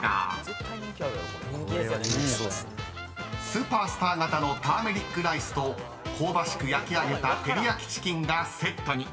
［スーパースター型のターメリックライスと香ばしく焼き上げた照り焼きチキンがセットに］